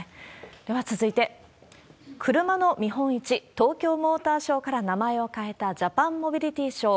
では続いて、車の見本市、東京モーターショーから名前を変えた、ジャパンモビリティショー。